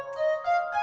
gak ada apa apa